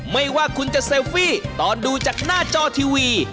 ไม่ว่าคุณจะเซลฟี่ตอนดูจากหน้าจอทีวี